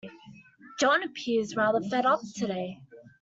John appears rather fed up today